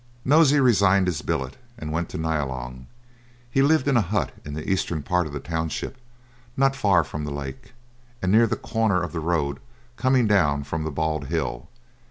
Nosey resigned his billet, and went to Nyalong. He lived in a hut in the eastern part of the township, not far from the lake, and near the corner of the road coming down from the Bald Hill.